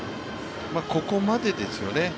ここまでですよね。